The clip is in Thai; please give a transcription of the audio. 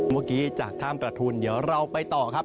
เมื่อกี้จากถ้ำประทุนเดี๋ยวเราไปต่อครับ